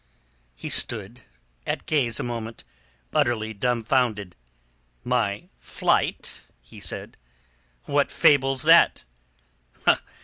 He stood at gaze a moment, utterly dumbfounded. "My flight?" he said. "What fable's that?"